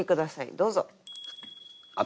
どうぞ。